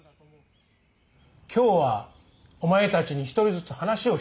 今日はお前たちに一人ずつ話をしてもらう。